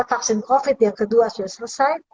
vaksin covid yang kedua sudah selesai